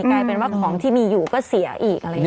กลายเป็นว่าของที่มีอยู่ก็เสียอีก